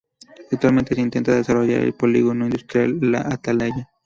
Actualmente se intenta desarrollar el polígono industrial "La Atalaya".